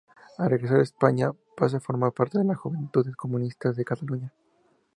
Al regresar a España, pasó a formar parte de las Juventudes Comunistas de Cataluña.